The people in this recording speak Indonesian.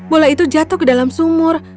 bola itu jatuh ke dalam sumur